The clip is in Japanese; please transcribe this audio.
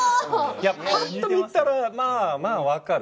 ぱっと見たらまあ分かる。